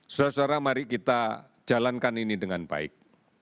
saudara saudara mari kita jalankan ini dengan baik